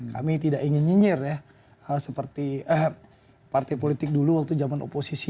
kami tidak ingin nyinyir ya seperti partai politik dulu waktu zaman oposisi